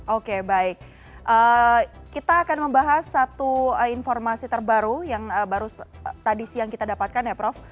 oke baik kita akan membahas satu informasi terbaru yang baru tadi siang kita dapatkan ya prof